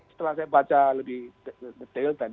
setelah saya baca lebih detail tadi